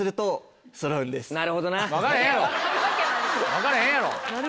分からへんやろ。